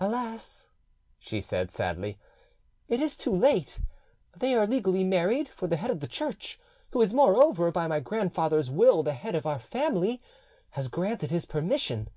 "Alas!" she said sadly, "it is too late. They are legally married, for the head of the Church—who is moreover by my grandfather's will the head of our family—has granted his permission.